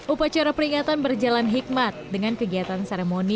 upacara peringatan berjalan hikmat dengan kegiatan seremoni